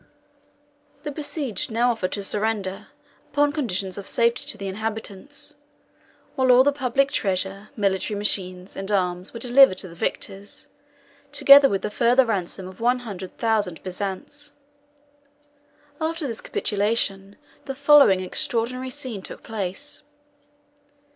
The besieged now offered to surrender, upon conditions of safety to the inhabitants; while all the public treasure, military machines, and arms were delivered to the victors, together with the further ransom of one hundred thousand bezants. After this capitulation, the following extraordinary scene took place.